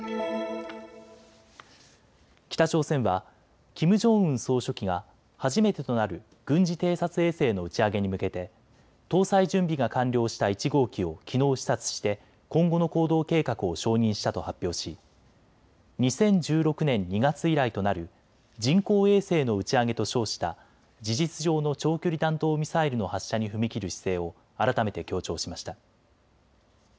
北朝鮮はキム・ジョンウン総書記が初めてとなる軍事偵察衛星の打ち上げに向けて搭載準備が完了した１号機をきのう視察して今後の行動計画を承認したと発表し２０１６年２月以来となる人工衛星の打ち上げと称した事実上の長距離弾道ミサイルの発射に踏み切る姿勢を改めて強調しました。